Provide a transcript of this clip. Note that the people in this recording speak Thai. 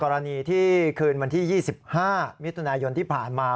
กรณีที่คืนวันที่๒๕มิถุนายนที่ผ่านมา